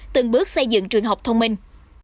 từng bước xây dựng trường học thông minh